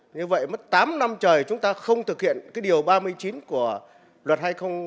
như vậy mất tám năm trời chúng ta không thực hiện cái điều ba mươi chín của luật hai nghìn sáu